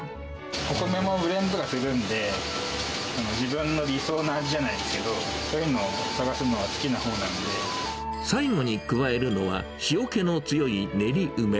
お米もブレンドとかするんで、自分の理想の味じゃないですけど、そういうのを探すのは好きなほう最後に加えるのは、塩気の強い練り梅。